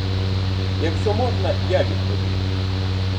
Якщо можна я відповім.